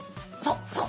そう！